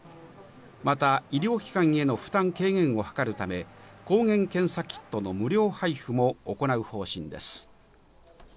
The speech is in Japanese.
また、医療機関への負担軽減をはかるため、抗原検査キットの無料配布も行う方針です。